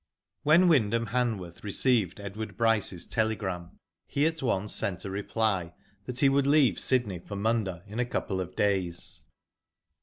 When Wyndham Hanworth received Edward Bryce's telegram, he at once sent a reply that he would leave Sydney for Munda in a couple of days.